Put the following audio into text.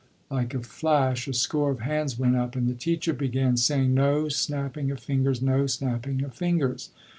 Like a flash a score of hands went up, and the teacher began saying: "No snapping of fingers, no snapping of fingers."